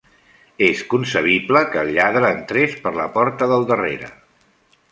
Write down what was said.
És concebible que el lladre entrés per la porta del darrere.